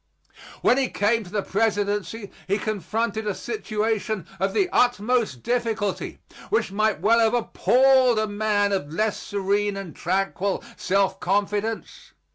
When he came to the presidency he confronted a situation of the utmost difficulty, which might well have appalled a man of less serene and tranquil self confidence.